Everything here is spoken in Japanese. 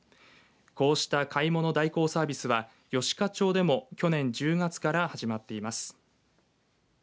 こうした買い物代行サービスは吉賀町でも去年１０月から始まっています。